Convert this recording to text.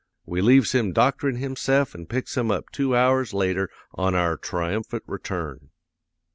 We leaves him doctorin' himse'f an' picks him up two hours later on our triumphant return.